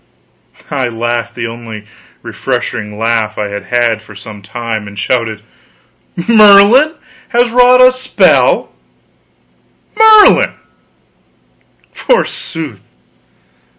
I laughed the only really refreshing laugh I had had for some time; and shouted: "Merlin has wrought a spell! Merlin, forsooth!